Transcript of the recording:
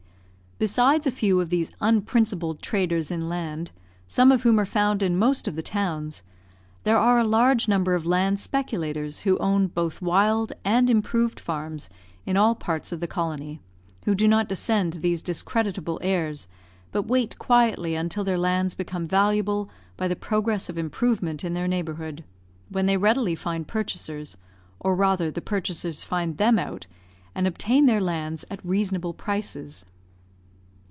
Besides a few of these unprincipled traders in land, some of whom are found in most of the towns, there are a large number of land speculators who own both wild and improved farms in all parts of the colony who do not descend to these discreditable arts, but wait quietly until their lands become valuable by the progress of improvement in their neighbourhood, when they readily find purchasers or, rather, the purchasers find them out, and obtain their lands at reasonable prices.